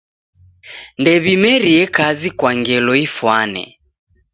Ndew'imerie kazi kwa ngelo ifwane.